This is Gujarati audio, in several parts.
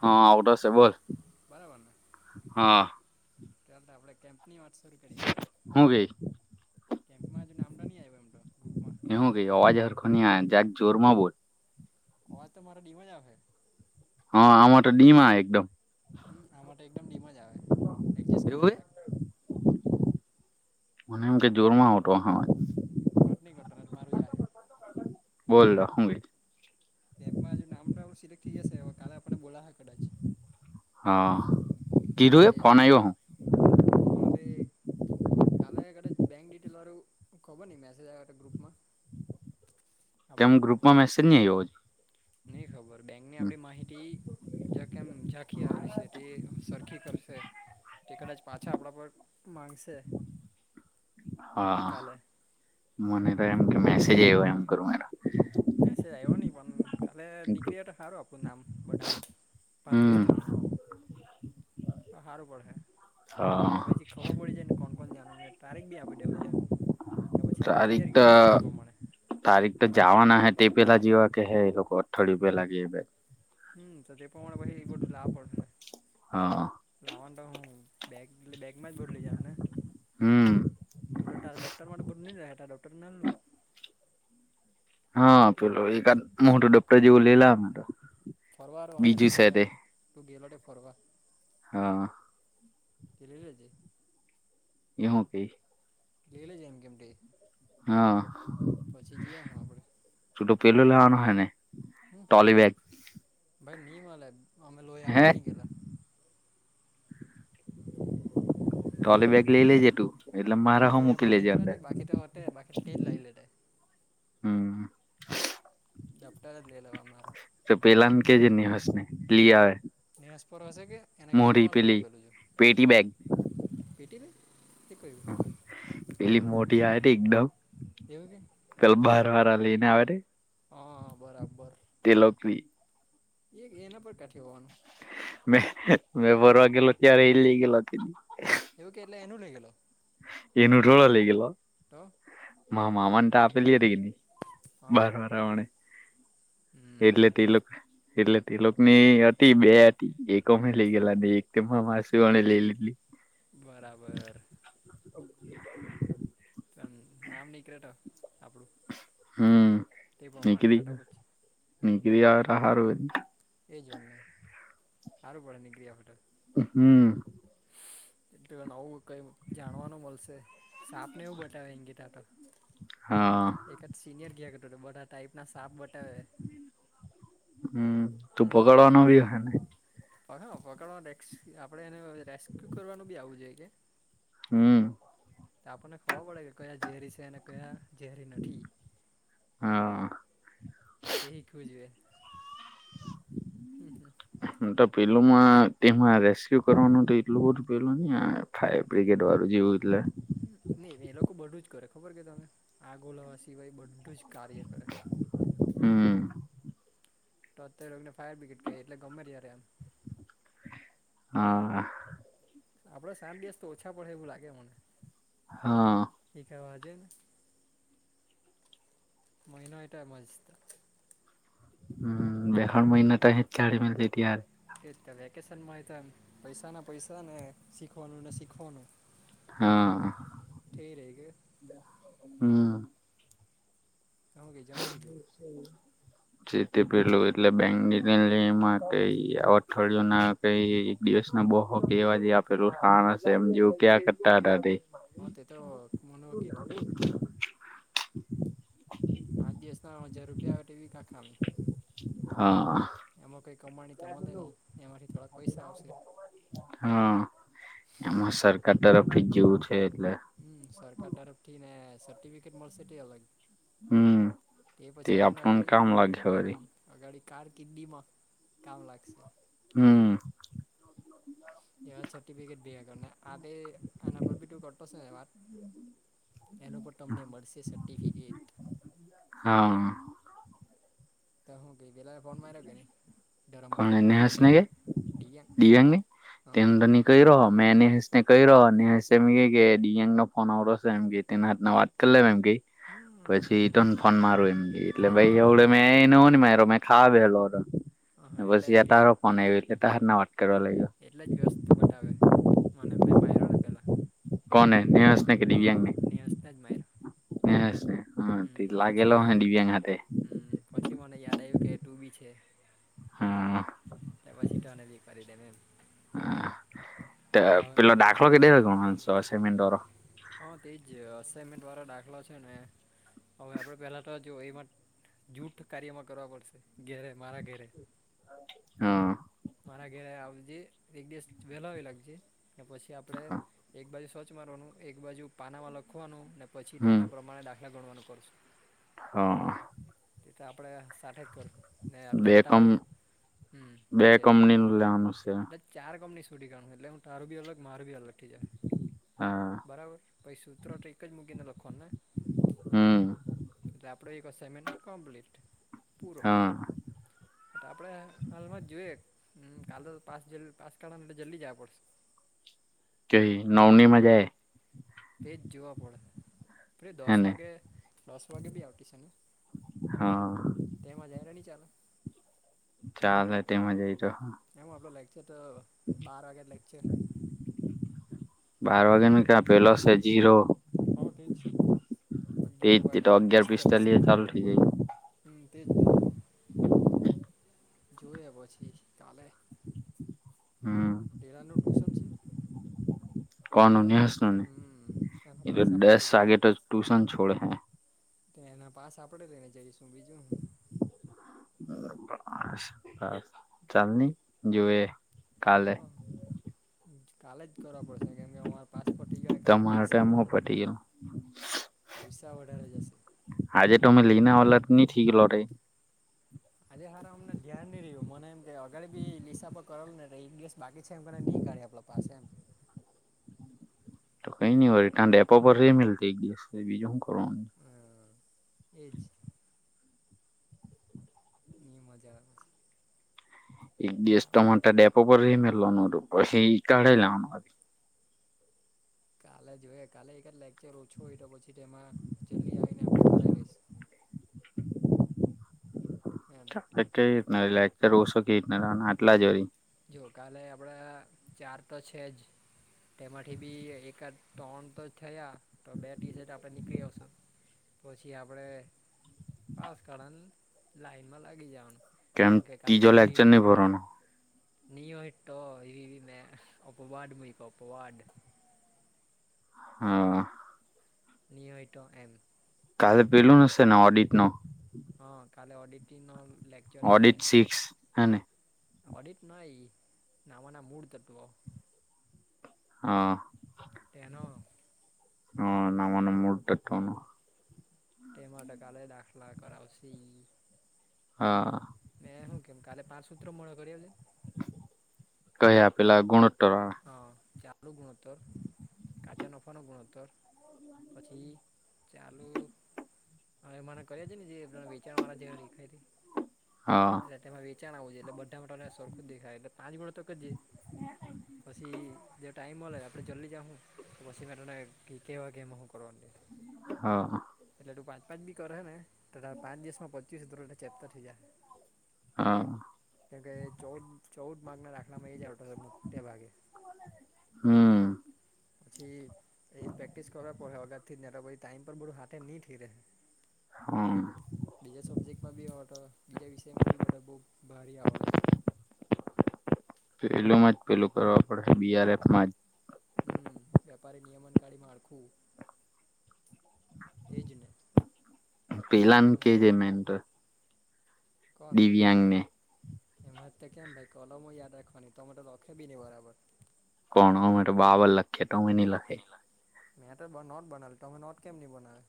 હા ઉઘર સે બોલ. બરાબરને. હા. ચ આપડે કેમ્પની વાત. હું ગઈ કેમ્પજ નામ નહીં આવ એમ ગ્રુપમાં. હું કેહે અવાજ સરખો. રખો, નઇ આયો. જરાક જોર માં બોલ. અવાજ તો મારો ડીમ જ આવશે. હા, આમાં તો ડીમ આયો એકદમ. હમ આ મા તો એકદમ ડીમ જ આવે એડજસ્ટ કરી લે એવું હે? જરાક. મને એમ કે જોરમાં આવતો હસે અવાજ. કટની કરતો નઇ તો મારું જા હે. બોલો હું હે. કેમ્પમાં હજુ નામ પણ સિલેક્ટ થઈ જશે હ કાલે આપણે બોલા હા કદાચ. હા કીધું તે એ ફોન આયો. હા દે. કાલે કદાચ બેંક ડિટેલ વાળું ખબર નહી મેસેજ આયો હોય તો ગ્રુપ માં. [inaudible] કેમ ગ્રુપમાં મેસેજ નઈ આયો હોય. નહી ખબર બેંકની આપણી માહિતી. જે કેમ ઝાંખી આવેલી છે તે સરખી કરશે. ટિકટ જ પાછા આપણા પણ માંગશે. હા હા, કાલે મને તો એમ કે મેસેજ આવ્યો એમ કરું. મેસેજ આયો ની પણ. કાલે ગ્રુપ નીકળી તો હારું આપનુ નામ બધાનું પાંત્રીસ હમ જનનું. હારું પડ હે હા તો પછી. ખબર પડી જ ને કોણ કોણ જાનને તારીખ બી આપી દેવું છે. તો પછી આપણે તારીખ તૈયારી તો કરી રાખીએ તે એ પ્રમાણે. તારીખ તો જવા ના હે તે પેલા જવા કે હે એ લોકો અઠવાડી પેલા ગ એ બે. હમ તો તે પ્રમાણે પહી બધું લાવું પડશે ને. હા. લાવનું તો હું બેગ બેગમાં જ બધું લઈ જવાને એમને. હમ તું તો તારા ડોક્ટર માટે બધું [unintelligible] તાર ડોક્ટર ના લુ. હા પેલો એ મોટું ડપ્ટર જેવું લઈલા મે તો. ફરવા હોય ને તું કેડન તું ગેલો ને ફરવા. હા. ઇ લ‌ઇ લેજે. એ હું કયે. લેલેજે એમ કેમ તે. હા. પછી જઈએ હું આપણે તુ તો પેલુ લેવનો હેને હમ ટોલી બેગ. ભાઈ ની મલે અમે લોય હે આપ્પાની ગેલા. ટોલી બેગ લઈ લેજે તું એટલે મારા હું લોય મૂકી આપ્પાની લેજે ગેલા અંદર તે બાકી તો હતે બાકી ટે જ લાય ઓ તે. હમ. દફતર જ લઈ લેવા મારું તો પેલાને કે જે નિહશ ને લિયાવે. નિહશ પર હશે કે એને ઘેરે કોણ લોઈ પેલી આપેલું છે. પેટી બેગ પેટીને એ કયું? પેલી મોટી આવે તે એકદમ. એવું કે. પેલો બાર વારા લઈને આવે તે. હા, બરાબર તે લોકરી એક એના પર કાઠી હોવાનું. મે મેં ફરવા ગેલો ત્યારે એ લેઈ ગેલો. એવું કેયને એનું લેઈ ગેલો. એનું થોળો લેઈ ગેલો. તો મા મામાને તો આપેલી હતી હા બાર હા બરવાણે. હમ એટલે તે લોક એટલે તે લોકો ની હતી બે હતી એક અમે લઈ ગયેલા ને એક તેમાં માસી વાળા લઈ લીધી. બરાબર. નામ નીકળે તો આપડુ. હમ, નીકળી પછી નીકળી આવે તો હારું. એજ વરના. હારું પડે નીકળી આવે તો. હમ. [inaudible] એટલે નવું કઈ જાણવાનું મલશે સાપને એવું બતાવે એમ કેય તા તો. [unintelligible] એકાદ સિનિયર કીયા કરતો તો બધા ટાઈપ ના સાપ બટાવે. હમ, તો [unintelligible] બી ઓહેને. [unintelligible] પકડવાનું [unintelligible] આપડે એને રેસ્ક્યુ કરવાનું બી આવવું જોઈએ કે. હમ આપણને ખબર પડે કે કયા ઝેરી સે ને કયા ઝેરી નથી. હા તે હીખવું જોઈએ. હ તો પેલુંમાં તેમાં રેસ્ક્યુ કરવાનું હત એટલું બધું પેલું ને. ફાયર બ્રિગેડ વાળું જેવું એટલે. [unintelligible] નહીં એ લોકો બધું જ કરે ખબર કે તમે આગો ઓલવા સિવાય બધું જ કાર્ય કરે. હમ. તો અત્યારે લોકોને ફાયર્રિગેડ કેય એટલે ગમે ત્યારે આવે. હા. આપડે સાત દિવસ તો ઓછા પડે એવું લાગે મને. હ. [unintelligible] હમ, બે ખન મહિના [unintelligible] એજ તો વેકેશનમાં એતો પૈસાના પૈસાને શીખવાનું ને શીખવાનું. હા. થેય રેય કે. [inaudible] [unintelligible] હ કેઈ જમી લીધું. [unintelligible] જીતી પેલું એટલે બેંક લોન માં કંઈ અઠવાડિયુંના. કઈ એક દિવસ ના બોહો કેવા જે આપેલું શાણ હશે, એમ જેવું ક્યાં કરતા હતા તે. હા, તેતો મને કીધું. પાંચ દિવસ ના હજાર રૂપિયા અઠેવી કા ખામી. હા, એમાં કંઈ કમાણી તો મળે નહી એમાંથી થોડાક પૈસા આવશે. હા, એમાં સરકાર તરફથી જેવું છે, એટલે. હું સરકાર તરફથીને સર્ટિફિકેટ મળશે તે અલગ. હમ તે પછી આપણને આગળ કામ લાગે હું. વરી આ ગાડી કાર કિડનીમાં કામ લાગશે. હું. એવા સર્ટિફિકેટ બેગ કરના આપે આના પર ભીતું કરતો છે, ને વાત. એનું પણ તમને મળશે, સર્ટિફિકેટ. હામ. હું કે પેલા ફોન માર્યો કે નહીં. ધરમ કોણ નેહાસને ડિયાંગ ગે ડિયાંગ દિગંગ હ તે અંદરની. કઈ રહ્યો મેં એને હસને કહી રહ્યો, અને મહેશ ડીએન ફોન આવરો છે, એમ કે તેના હતના વાત. કરેલો એમ કેય પછી હમ તો ફોન મારો એમ કે એટલે જ ભાઈ મારમાં એવડે વ્ય મે એને નો મારિયો મેં. ખા બેલો હતો હા ને એટલે પછી તારો ફોન આવો એટલે તારના વાત કરવા લાગો. એટલે જ વ્યસ્ત બતાવે મને મે માર્યાને પેલા. કોને મહેશ ને કે હા દિવ્યાંગને, નિહસને જ માર્યો હ હ ત હમ લાગેલો પછી હ ડિવ્યાંગ હાથે. હમ પછી મને યાદ આવ્યું કે ટુબી છે, હા એ પછી તને બી કરી દેમ એમ. [inaudible] હા હા પેલો દાખલો કેદે સેમેન્ટ વારો. હા તેજ અસાઈનમેન્ટ વાળા દાખલા છે, ને હવે આપણે પહેલા તોજો એમાં. જૂઠ કાર્યમાં કરવા પડશે ઘેરે મારા ઘેરે. હા મારા ઘરે આવજે એક દિવસ વહેલાવી લાગશે પછી. કે આપડે હા એકબાજુ સ્વછ મારવાનું એક બાજુ પાના મા લખવાનુ પછી હમ તેના પ્રમાણે પહેલા ગણવાનું કરું છું. હા. તે તો આપડે સાઠે જ કરશું ને એટલે બે તારું હમ્મ દે. [unintelligible] આનું છે ચાર કંપની સુધી ગણ એટલે હું તારું બી અલગ મારું બી અલગ થી હા જાય બરાબર પછી સૂત્ર તો એક જ મૂકીને લખવાનું ને હમ એટલે આપણે એક અસાઈનમેન્ટ કમ્પેલિટ પૂરો હા આપણે હાલમાં જ જોઈએ હમ્મ કાલ પાસ જ પાસ [unintelligible] જલ્દી જવા પડશે. જોઈ નવનીમાં જાય. તેજ જોવા પડશે. અરે દસ હેને વાગે દસ વાગે બી આવતી છે, ને હા તેમાં જાય નહીં ચાલે. ચાર ને તેમાં જાયતો, એમ આપડો લેક્ચર તો બાર વાગ્યા લેક્ચર. બાર વાગેનું ક્યાં પેલો છે જીરો હા તેજ અગિયાર તેજ તો વાગેને અગિયાર પિસ્તાલીસ મિનિટ. ચાલુ થઇ જાય હું તેજ તો જોય પછી કાલે. હમ્મ કેરાનું ટ્યુશન છે. કોનું એનો નેહસ નું ને હમ્મ એનો એ તો પાસ આપડે દસ લઈજા વાગે તો ટ્યુશન છોડ હે તે એના પાસ આપડે લઈને જઈશું. તો બીજું હું ચાલ ની જોવે હા કાલે જ કરવા પડશે કેમ કે અમારે પાસપોર્ટ ને કાલે તમારો પૈસા ટાઈમ હો વઢારે જા પતી ગયેલો પૈસા વઢારે જાશે. આજે તમે લીન આવેલા હોત તો ની થીલો હોતે આજે સારા અમને ધ્યાન નહી રહ્યું મને એમ કે અગાડી બી લિસા આપ કરે ને એક દિવસ બાકી છે એમને નહીં કાઢ આપલો પાસેંદ તો કઈ નઈ વળી તા ડેપો પર રે મેલ એ દિવસ બીજું શું કરવાનું હમ. એજ ની મજા આવે છે. એક દિશ તો મેનતો તા ડેપો પર મેલવાનું હતું પછી હમ કાલે હમ જવાનું હતુ કાલે જોઈએ કાલે એક જ લેક્ચર ઓછું હોય તો પછી તેમાં જલ્દી આવીને આપડે કરાવી લઈશ. હેને [unintelligible] જો કાલે આપડા ચાર તો છે જ તેમાંથી બી એકાદ ટ્રણ તો થયા તો બે ટી શર્ટ આપણે નીકળી આવશું. પછી આપડે પાસ કાઢવાની લાઈનમાં લાગી જવાનું એમ કે કાલ તો ભીડ બરા [unintelligible] ન હોય ટો એ મેં અપવાડ મુયકો અપવાડ હમ. ની હોય ટો એમ કાલે પેલું નશે ને ઓડિટ નો હા કાલે ઓડિટીગ નો લેક્ચર છે. ઓડિટ સિક્સ હેને ઓડિટ નય નામાના મૂળતત્વ હા એનો હ નામાના મૂળતત્વનો તે માટે કાલે દાખલા કરાવશે. હા મેં હું કેમ કાલે પાંચ સૂત્ર મોઢે કરી આવજે ને. કયા પેલા ગુણોત્તર વારા? હા ચાલુ ગુણોત્તર કાચા નફાનો ગુણત્તર પછી ચાલુ હા, એમાંના કરી આવજે ને જે વેચણવાળા જેવા દેખાય છે. હા એટલે તેમાં વેચાણ આવું જોઈએ એટલે બધામાં તને સરખું દેખાય એટલે પાંચ ગુણોત્તર કરજે. પછી જે ટાઈમ મલહે આપણે જલ્દી જાહુ તો પછી મે તને કેવા કે એમાં હું કરવાનુ તે હા હ એટલે તું પાંચ પાંચ બી કરે ને તારે પાંચ દિવસમાં પચીસ તો ચેપ્ટર થઈ જાય. હા કેમ કે ચૌદ ચૌદ માર્કના દાખલામાં એ જ આવતા મોટે ભાગે હમ પછી એ પ્રેક્ટિસ કરવા પડહે અગાડથી જ ને તો ટાઈમ પર બધું હાથે નીં થેઈ રહે. હા બીજા સબ્જેક્ટમાં બી હવે તો બીજા વિષયમાં બી બધા બવ ભારી આવવા લાગ્યા. પેલ માં જ પેલું કરવા પડે બીઆરએફમાં જ. હમ વેપારી નિયમન કાળી માળખું એ જ ને પેલા ને એમ કે જે મેન તો કોને? દિવ્યાંગને એમાંતે કેમ ભાઈ કલમો યાદ રાખવાની તો મ તો લખે બી નહી બરાબર કોણ અમે તો બરાબર લખી તો તમે ની લખે મેં તો નોટ બનાવીલી તમે નોટ કેમ ની બનાવે?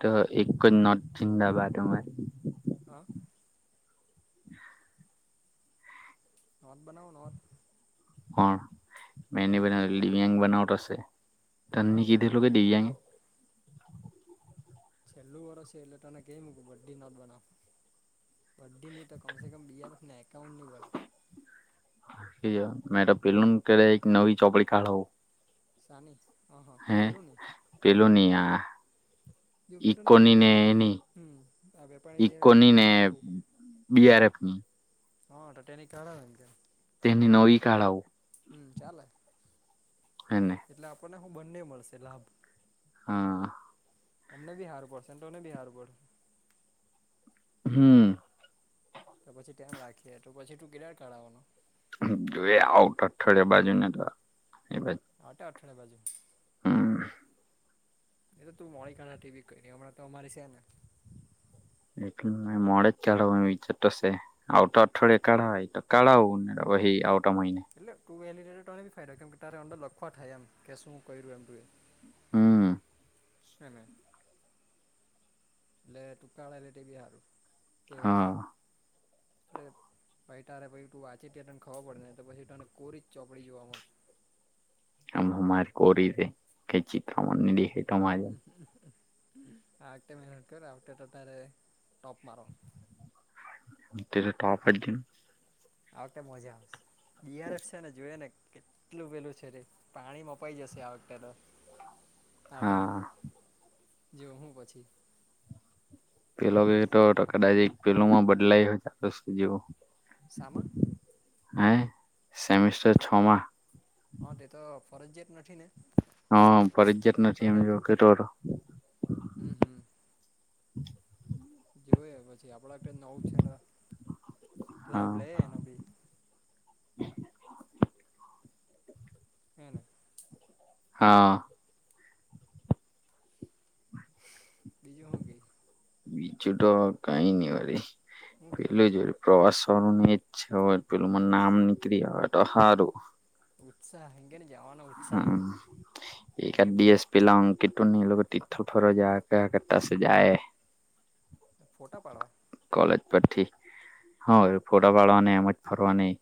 તો એક જ નોટ જિંદાબાદ અમારી હા નોટ બનાઉ નોટ કોણ મેની તમે બનાવેલી દીવયાંગ બનાવતો શે તન ની બનાવજે ભાઈ કિધેલુ તું કે બી દીવયાંગ જો છેલ્લું વર્ષ છે એટલે તને કઈ મૂકું બધી નોટ બનાવ બધી ની તો કમસે કમ બીઆરએફ ને એકાઉન્ટ ની બનાવ મેં પેલું કે એક નવી ચોપડી કાડાવુ [inaudible] પેલું ની આ મેટોને કેમને ઈકોની ને એની હમ આ વેપારી ઈકોની ને નિયમનકારી માળખું બીઆરએફ ની હા ટટે નીકાળા એમ કે તેની નવી કાળાવ. હમ ચાલ [unintelligible] [unintelligible] એટલે આપણને હું બંને મળશે લાભ. હા અમને બી હારડશે ને તોને બી હાર પડશે. હમ. તો પછી ટાઈમ રાખીએ તો પછી તું ક્લેયર કરાવવાનો. [unintelligible] બાજુને તો એ [unintelligible] [inaudible] હા. નહી તો તું [unintelligible] હમણાં તો અમારી છે, ને. એ મોડે જ ખ્યાળવા વિચારતોશે. આવ તો અઠવાડિયાે કાઢા હોય તો કાઢા આવવુંને આવટા મહિને. એટલે ટુ એનેટેને બી ફાયદો કેમ કે તારે અંદર લખવા થાય એમ કે શું ક્યું એમ. હમ. [unintelligible] એટલે ટુંકાળા લેટી બિહારું હા [unintelligible] અ ભાઈ તારે પાઈ તું વાચે [unintelligible] ખવ પડે ને તો પછી તને કોરી જ ચોપડી જોવા મળશે. આમ મારી [unintelligible] ચિત્રમાં દેખ. આ ટાઈમન [unintelligible] ટોપ મારવાનું. [unintelligible] આવતે મજા. બિયારક છે, ને જોઈએ ને કેટલું પેલું છે, તે પાણીમાંપાઈ જશે આ વખતે તો. આપડું હા જો હું પછી. પેલો કે તો કદાચ પેલું માં બદલાય હોય [unintelligible] જેવું. શમા. હં સેમિસ્ટર છમા. હા એ તો ફરજત નથી ને. હા [unintelligible] નથી એમ કદાચ [unintelligible] હમ હમ. જોઈ પછી આપડા કે નવ છે, લાભ હા લે એનો બી. [unintelligible] હા બીજું હું [unintelligible] બીજું તો કઈ નહી વારી હું ખાધું પેલું [unintelligible] પ્રવાસ ચ [unintelligible] છે, હો પેલું [unintelligible] નામ [unintelligible] ઉત્સાહ હંગેને જવાનું ઉઠ હમ [unintelligible] પલા [unintelligible] લોકો [unintelligible] ફોટા પાડવા. કોલેજ પરથી હ ફોટા પાડવાની એમજ ફરવા ની.